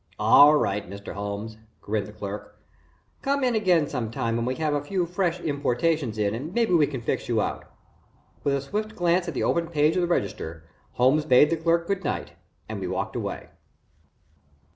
"All right, Mr. Holmes," grinned the clerk. "Come in again some time when we have a few fresh importations in and maybe we can fix you out." With a swift glance at the open page of the register, Holmes bade the clerk good night and we walked away.